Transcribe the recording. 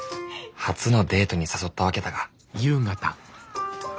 初のデートに誘ったわけだが。